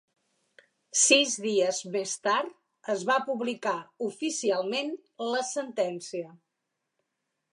Sis dies més tard es va publicar oficialment la sentència.